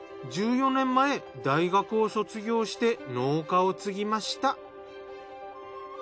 １４年前大学を卒業して農家を継ぎました。